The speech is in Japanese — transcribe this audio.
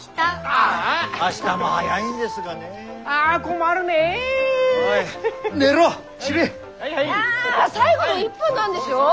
ああ最後の一本なんでしょ！？